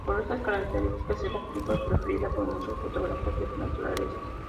Por estas características es la película preferida por muchos fotógrafos de naturaleza.